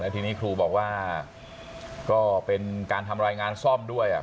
ทีนี้ครูบอกว่าก็เป็นการทำรายงานซ่อมด้วย